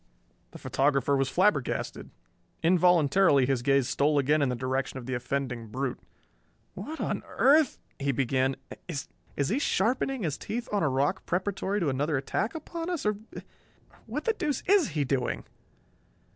The photographer was flabbergasted. Involuntarily his gaze stole again in the direction of the offending brute. "What on earth " he began. "Is he sharpening his teeth on a rock preparatory to another attack upon us? Or What the deuce is he doing?"